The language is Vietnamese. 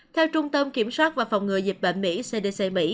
theo trung tâm kiểm soát và phòng ngừa dịch bệnh mỹ cdc mỹ